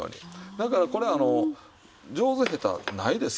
だからこれ上手下手ないですよ。